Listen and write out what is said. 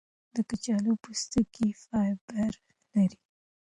د کچالو پوستکی فایبر لري.